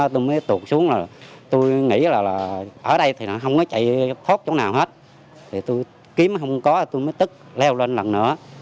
thì tôi kiếm không có thì tôi mới tức leo lên lần nữa